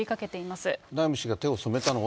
フナイム氏が手を染めたのは。